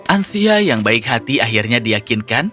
anthia yang baik hati akhirnya diakinkan